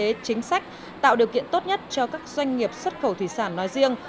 kết chính sách tạo điều kiện tốt nhất cho các doanh nghiệp xuất khẩu thủy sản nói riêng